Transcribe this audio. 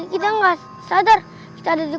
bagi kita nggak sadar itu ada di